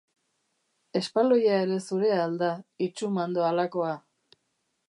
Espaloia ere zurea al da, itsu-mando halakoa?